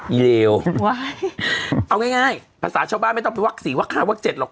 อีเดี๋ยวเอาง่ายภาษาชาวบ้านไม่ต้องไปวักสี่วักห้าวักเจ็ดหรอก